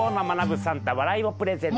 サンタ笑いをプレゼント。